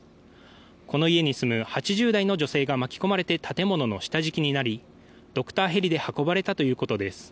この家に住む８０代の女性が巻き込まれて建物の下敷きになりドクターヘリで運ばれたということです。